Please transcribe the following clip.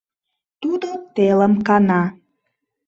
Тудо телым кана.